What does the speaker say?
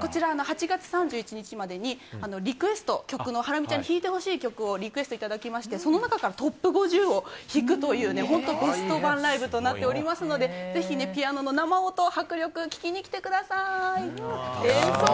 ８月３１日までにハラミちゃんに弾いてほしい曲をリクエストいただきましてその中からトップ５０を弾くというベスト盤ライブとなっていますのでぜひピアノの生音迫力、聴きに来てください。